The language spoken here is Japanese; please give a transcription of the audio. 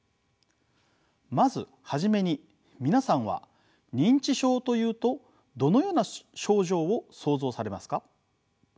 まず初めに皆さんは認知症というとどのような症状を想像されますか？